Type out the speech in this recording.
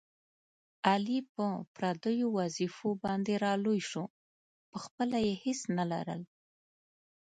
علي په پردیو وظېفو باندې را لوی شو، په خپله یې هېڅ نه لرل.